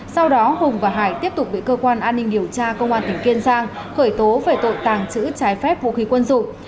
sau đó hùng và hải tiếp tục bị cơ quan an ninh điều tra công an tỉnh kiên giang khởi tố về tội tàng trữ trái phép vũ khí quân dụng